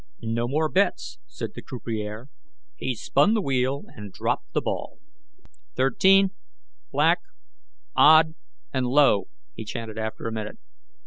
"No more bets," said the croupier. He spun the wheel and dropped the ball. "Thirteen, Black, Odd, and Low," he chanted after a minute.